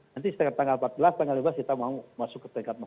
nanti setelah tanggal empat belas tanggal lima belas kita mau masuk ke tingkat empat